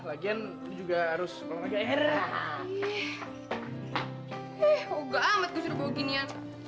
lagian lo juga harus olahraga